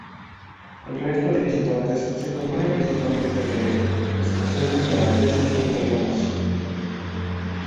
El resto de visitantes se compone principalmente de escoceses, holandeses e italianos.